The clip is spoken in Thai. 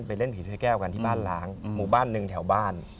เล่นผีถ้วยแก้วกันที่บ้านล้างหมู่บ้านหนึ่งแถวบ้าน